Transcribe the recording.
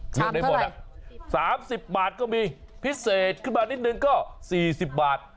ชามเท่าไหร่๓๐บาทก็มีพิเศษขึ้นมานิดนึงก็๔๐บาท